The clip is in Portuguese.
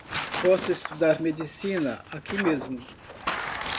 Posso estudar medicina aqui mesmo.